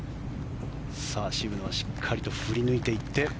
渋野はしっかりと振り抜いていって。